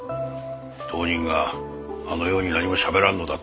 当人があのように何もしゃべらんのだ。